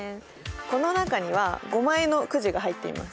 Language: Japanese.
この中には５枚のくじが入っています。